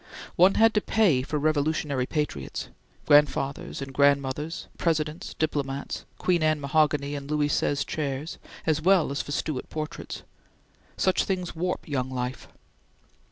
One had to pay for Revolutionary patriots; grandfathers and grandmothers; Presidents; diplomats; Queen Anne mahogany and Louis Seize chairs, as well as for Stuart portraits. Such things warp young life.